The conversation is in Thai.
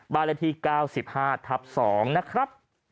บรรยาที๙๕ทับ๒นะครับ